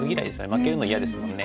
負けるの嫌ですもんね。